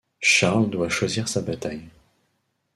Charles doit choisir sa bataille.